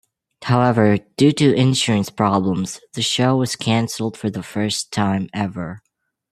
However, due to insurance problems the show was cancelled for the first time ever.